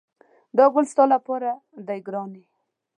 دا ګل ستا لپاره دی ګرانې!